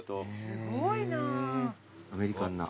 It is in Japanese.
すごいな。